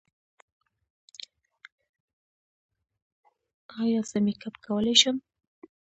ایا زه میک اپ کولی شم؟